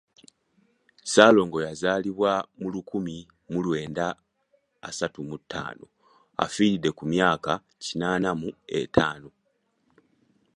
Ssaalongo yazaalibwa mu lukumi mu lwenda asatu mu ttaano afiiridde ku myaka kinaana mu etaano.